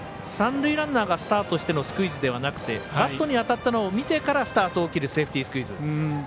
三塁ランナーがスタートしてのスクイズではなくてバットに当たったのを見てスタートを切るセーフティースクイズ。